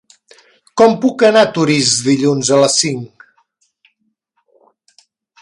Com puc anar a Torís dilluns a les cinc?